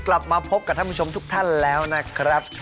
กลับมาพบกับท่านผู้ชมทุกท่านแล้วนะครับ